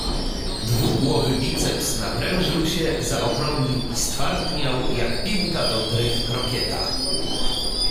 "Dwugłowy biceps naprężył się zaokrąglił i stwardniał, jak piłka do gry w krokieta."